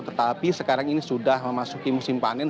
tetapi sekarang ini sudah memasuki musim panen